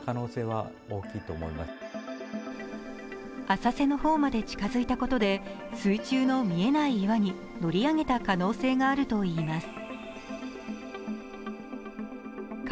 浅瀬の方まで近づいたことで水中の見えない岩に乗り上げた可能性があるといいます。